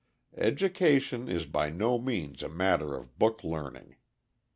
Education is by no means a matter of book learning.